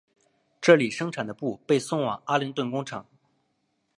这里生产的布被送往阿灵顿工厂。